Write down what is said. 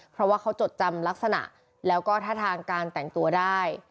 เพราะว่าเขาจดจำลักษณะแล้วก็ท่าทางการแต่งตัวได้